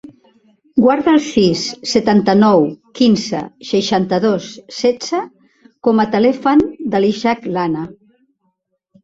Guarda el sis, setanta-nou, quinze, seixanta-dos, setze com a telèfon de l'Ishak Lana.